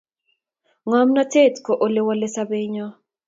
Ngomnotet ko ole walei sopenyo